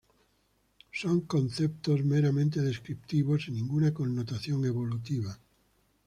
Son conceptos meramente descriptivos, sin ninguna connotación evolutiva.